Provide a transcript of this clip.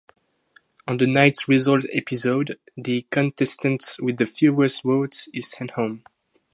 On the night's results episode, the contestant with the fewest votes is sent home.